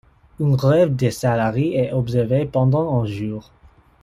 Une grève des salariés est observée pendant un jour.